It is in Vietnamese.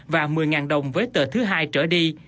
và một mươi đồng với tờ thứ hai trở đi